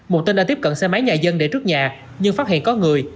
một tên đã tiếp cận xe máy nhà dân để trước nhà nhưng phát hiện có người